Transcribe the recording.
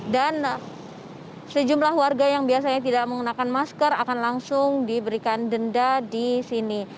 dan sejumlah warga yang biasanya tidak menggunakan masker akan langsung diberikan denda di sini